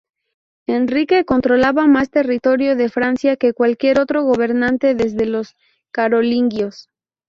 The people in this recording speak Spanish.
Enrique controlaba más territorio de Francia que cualquier otro gobernante desde los carolingios.